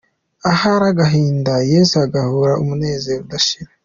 Ahari agahinda Yesu araguha umunezero udashira.